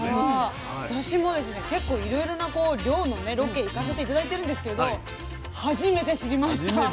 私もですね結構いろいろな漁のロケ行かせて頂いてるんですけど初めて知りました。